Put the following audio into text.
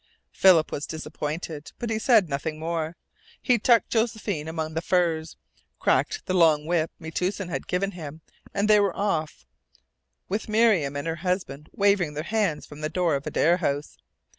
Philip was disappointed, but he said nothing more. He tucked Josephine among the furs, cracked the long whip Metoosin had given him, and they were off, with Miriam and her husband waving their hands from the door of Adare House.